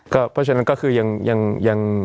ก็เพราะฉะนั้นก็คือยังยังยัง